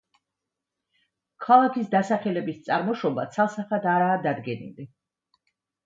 ქალაქის დასახელების წარმოშობა ცალსახად არაა დადგენილი.